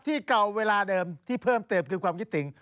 ที่เก่าเวลาเดิมที่เพิ่มเติมคือความคิดถึง